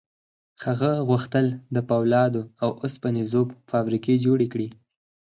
هغه غوښتل د پولادو او اوسپنې ذوب فابریکې جوړې کړي